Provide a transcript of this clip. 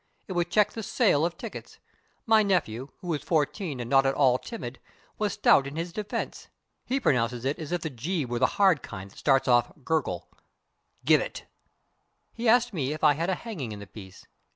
It would check the sale of tickets. My nephew, who is fourteen and not at all timid, was stout in its defense. He pronounces it as if the g were the hard kind that starts off gurgle. _G_ibbet! He asked me if I had a hanging in the piece.